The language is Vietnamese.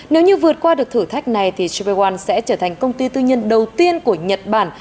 nếu như vượt qua được thử thách này thì spareone sẽ trở thành công ty tư nhân đầu tiên của nhật bản